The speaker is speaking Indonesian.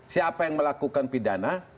siapa yang melakukan pidana